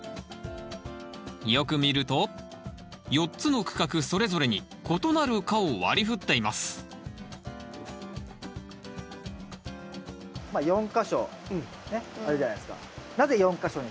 よく見ると４つの区画それぞれに異なる科を割りふっていますまあ４か所あるじゃないですか。